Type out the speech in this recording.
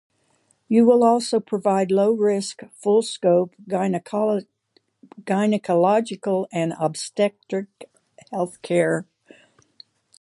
You will also provide low-risk full-scope gynecological and obstetric health care.